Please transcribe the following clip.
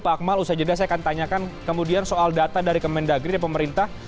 pak akmal usai jeda saya akan tanyakan kemudian soal data dari kemendagri dan pemerintah